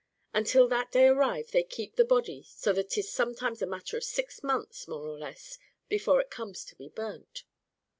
And till that day arrive they keep the body, so that 'tis sometimes a matter of six months, more or less, before it comes to be burnt.